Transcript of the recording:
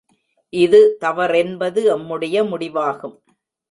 இது தவறென்பது எம்முடைய முடிவாகும்.